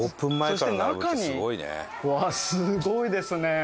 そして中にうわっすごいですね！